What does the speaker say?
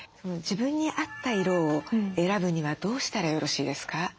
自分に合った色を選ぶにはどうしたらよろしいですか？